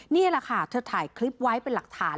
นี่แหละค่ะเธอถ่ายคลิปไว้เป็นหลักฐาน